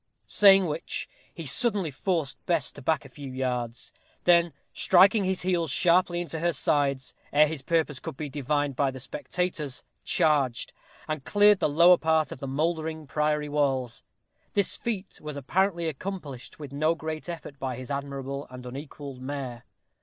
Saying which, he suddenly forced Bess to back a few yards; then, striking his heels sharply into her sides, ere his purpose could be divined by the spectators, charged, and cleared the lower part of the mouldering priory walls. This feat was apparently accomplished with no great effort by his admirable and unequalled mare.